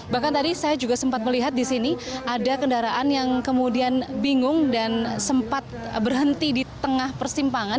bahkan tadi saya juga sempat melihat di sini ada kendaraan yang kemudian bingung dan sempat berhenti di tengah persimpangan